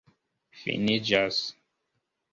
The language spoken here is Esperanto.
finiĝas